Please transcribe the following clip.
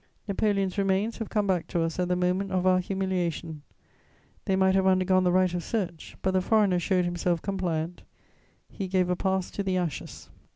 Napoleon's remains have come back to us at the moment of our humiliation; they might have undergone the right of search; but the foreigner showed himself compliant: he gave a pass to the ashes.